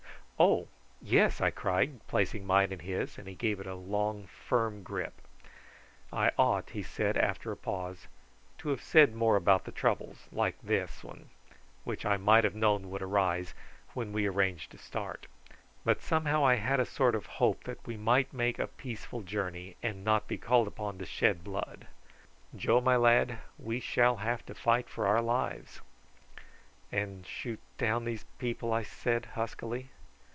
"Oh! yes," I cried, placing mine in his, and he gave it a long, firm grip. "I ought," he said, after a pause, "to have said more about the troubles, like this one, which I might have known would arise, when we arranged to start; but somehow I had a sort of hope that we might make a peaceful journey, and not be called upon to shed blood. Joe, my lad, we shall have to fight for our lives." "And shoot down these people?" I said huskily.